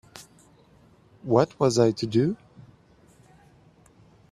What was I to do?